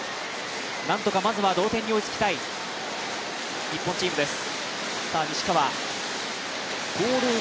なんとかまずは同点に追いつきたい日本チームです。